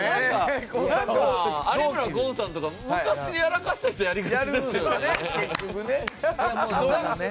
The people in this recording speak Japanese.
なんか有村昆さんとか昔やらかした人やりがちですよね。